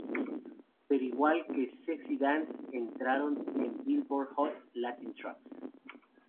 Pero al igual que "Sexy Dance" entraron en la Billboard Hot Latin Tracks.